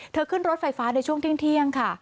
ขึ้นรถไฟฟ้าในช่วงเที่ยงค่ะ